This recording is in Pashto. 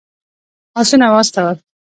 آسونه واستول.